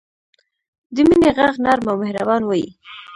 د مینې ږغ نرم او مهربان وي.